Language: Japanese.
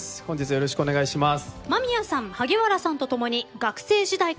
よろしくお願いします。